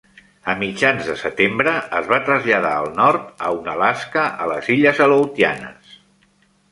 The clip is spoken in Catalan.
A mitjans de setembre, es va traslladar al nord a Unalaska a les illes Aleutianes.